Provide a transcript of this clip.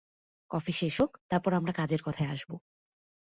Coffee শেষ হোক, তারপর আমরা কাজের কথায় আসব।